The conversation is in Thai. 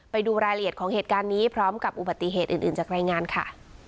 ไปดูรายละเอียดของเหตุการณ์นี้พร้อมกับอุบัติเหตุอื่นจากรายงานค่ะ